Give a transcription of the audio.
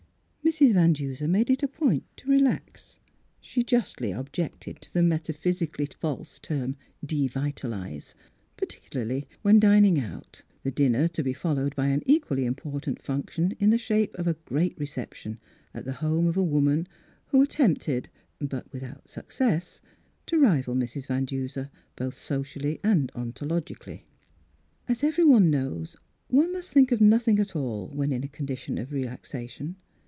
Mrs. Van Duser made it a point to re lax — she justly objected to the meta physically false term " devitalise "— par ticularly when dining out, the dinner to be followed by an equally important func tion in the shape of a great reception at the home of a woman who attempted (but Miss Fhilurds Wedding Gown without success) to rival Mrs. Van Duser both socially and ontologicallj. As everyone knows one must think of nothing at all when in a condition of re laxation.